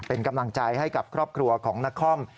เป็นกำลังใจให้กับครอบครัวของนคร